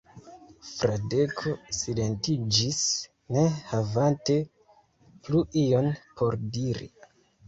Fradeko silentiĝis, ne havante plu ion por diri.